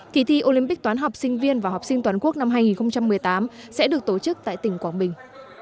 kỳ thi olympic toán học sinh viên và học sinh toàn quốc năm hai nghìn một mươi tám sẽ được tổ chức tại tỉnh quảng bình